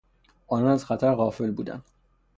آنان از خطر غافل بودند.